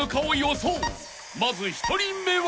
［まず１人目は］